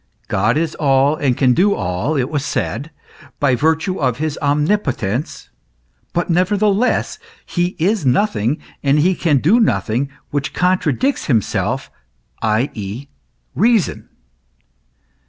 God is all and can do all, it was said, by virtue of his omnipotence ; but never theless he is nothing and he can do nothing which contradicts himself, i.e. reason.